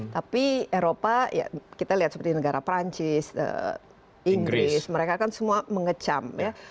tapi eropa ya kita lihat seperti negara perancis inggris mereka kan semua mengecam ya